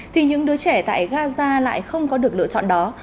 thì những đứa trẻ tại gaza lại không có được lựa chọn đó